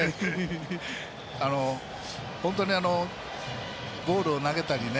本当にボールを投げたりね。